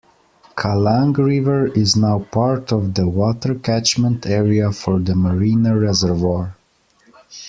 Kallang River is now part of the water catchment area for the Marina Reservoir.